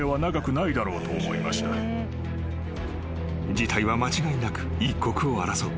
［事態は間違いなく一刻を争う］